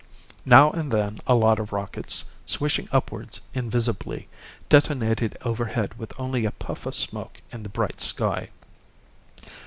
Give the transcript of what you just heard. Now and then a lot of rockets, swishing upwards invisibly, detonated overhead with only a puff of smoke in the bright sky.